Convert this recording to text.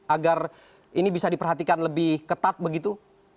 agar ini bisa diperhatikan lebih ketat begitu